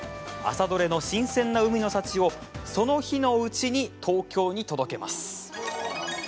朝取れの新鮮な海の幸をその日のうちに東京に届けます。